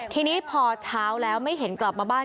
ทีนี้พอเช้าแล้วไม่เห็นกลับมาบ้าน